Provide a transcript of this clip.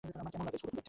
আমার কেমন লাগছিল?